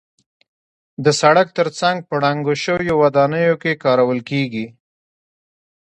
د سړک تر څنګ په ړنګو شویو ودانیو کې کارول کېږي.